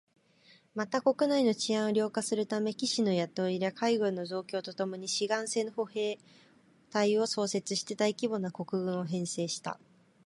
また、国内の治安を良化するため、騎士の雇い入れ、海軍の増強とともに志願制の歩兵隊を創設して大規模な国軍を編成した